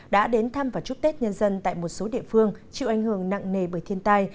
đã đến thăm và chúc tết nhân dân tại một số địa phương chịu ảnh hưởng nặng nề bởi thiên tai